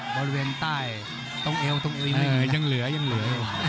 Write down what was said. บริเวณใต้ต้องเอลยังเหลือ